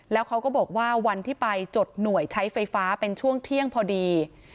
แล้วเขาก็บอกว่าวันที่ไปจดหน่วยใช้ไฟฟ้าเป็นช่วงเที่ยงพอดี